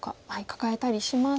カカえたりしますと。